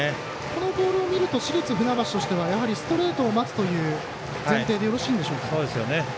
このボールを見ると市立船橋としてはストレートを待つという前提でよろしいんでしょうか。